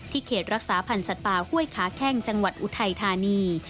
เขตรักษาพันธ์สัตว์ป่าห้วยขาแข้งจังหวัดอุทัยธานี